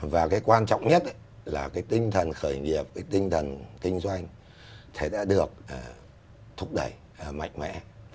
và cái quan trọng nhất là cái tinh thần khởi nghiệp cái tinh thần kinh doanh thì đã được thúc đẩy mạnh mẽ